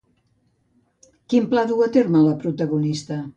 Quin pla duu a terme la protagonista?